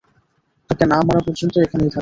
তাকে না মারা পর্যন্ত এখানেই থাকবে।